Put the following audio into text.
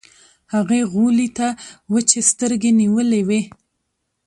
هغې غولي ته وچې سترګې نيولې وې.